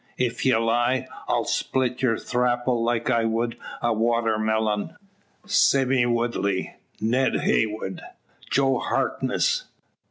Ef ye lie, I'll split your thrapple like I wud a water millyun." "Sime Woodley! Ned Heywood! Joe Harkness!"